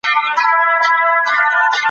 او راتلونکی به یې هم تایید کړي.